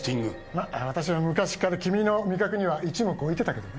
ま私は昔から君の味覚には一目置いてたけどね。